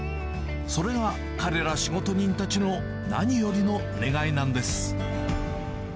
それが彼ら仕事人たちの何よりの願いなんです。